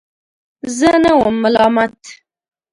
زه نه وم ملامت.